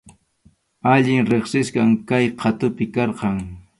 Allin riqsisqam kay qhatupi karqan.